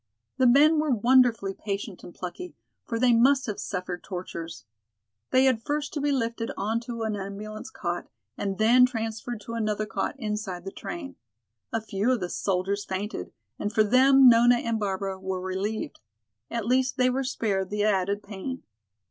The men were wonderfully patient and plucky, for they must have suffered tortures. They had first to be lifted on to an ambulance cot and then transferred to another cot inside the train. A few of the soldiers fainted and for them Nona and Barbara were relieved. At least they were spared the added pain.